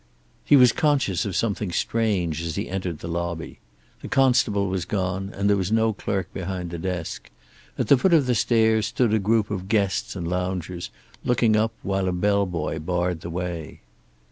He was conscious of something strange as he entered the lobby. The constable was gone, and there was no clerk behind the desk. At the foot of the stairs stood a group of guests and loungers, looking up, while a bell boy barred the way.